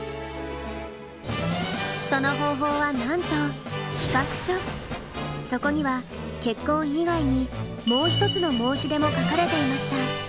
その方法はなんとそこには結婚以外にもう一つの申し出も書かれていました。